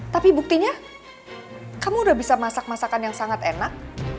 tapi buktinya kamu udah bisa masak masakan yang sangat enak